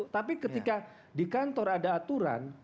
tapi ketika di kantor ada aturan